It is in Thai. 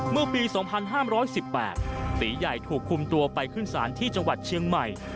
เมื่อปี๒๕๑๘ตีใหญ่ถูกคุมตัวไปขึ้นศาลที่จังหวัดเชียงใหม่